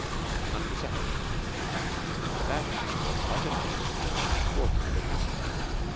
It is enough to say that for quite a month he was extraordinarily happy.